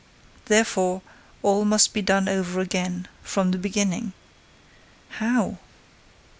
Therefore, all must be done over again, from the beginning. How?